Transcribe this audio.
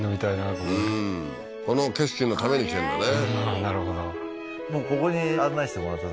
ここでうんこの景色のために来てんだね